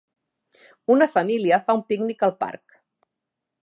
Una família fa un pícnic al parc.